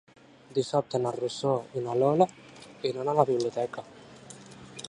Dissabte na Rosó i na Lola iran a la biblioteca.